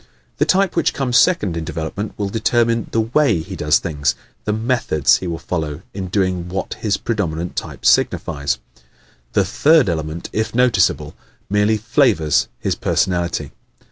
The type which comes second in development will determine the WAY he does things the METHODS he will follow in doing what his predominant type signifies. The third element, if noticeable, merely "flavors" his personality.